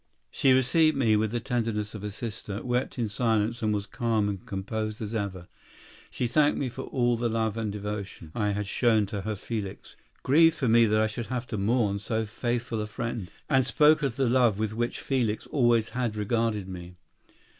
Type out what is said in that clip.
"She received me with the tenderness of a sister, wept in silence, and was calm and composed as ever. She thanked me for all the love and devotion I had shown to her Felix, grieved for me that I should have to mourn so faithful a friend, and spoke of the love with which Felix always had regarded me.